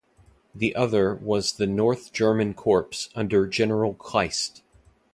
The other was the North German Corps under General Kleist.